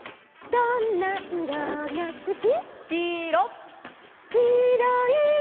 「どんないろがすき」「」